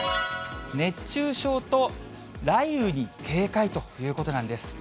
熱中症と雷雨に警戒ということなんです。